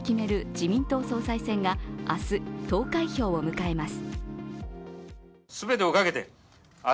自民党総裁選が明日、投開票を迎えます。